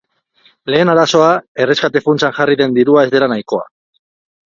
Lehen arazoa, erreskate funtsan jarri den dirua ez dela nahikoa.